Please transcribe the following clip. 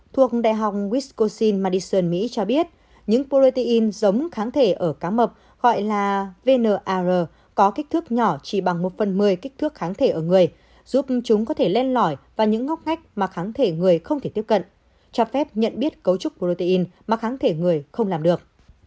thuộc đại học wiscosin madison mỹ cho biết những protein giống kháng thể ở cá mập gọi là vnr có kích thước nhỏ chỉ bằng một phần một mươi kích thước kháng thể ở người giúp chúng có thể len lỏi và những ngóc ngách mà kháng thể người không thể tiếp cận cho phép nhận biết cấu trúc protein mà kháng thể người không làm được